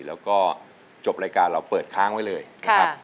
แล้วก็จบรายการเราเปิดค้างไว้เลยนะครับ